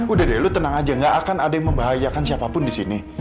udah deh lu tenang aja gak akan ada yang membahayakan siapapun di sini